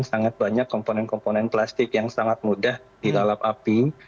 sangat banyak komponen komponen plastik yang sangat mudah dilalap api